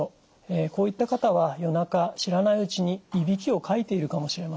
こういった方は夜中知らないうちにいびきをかいているかもしれません。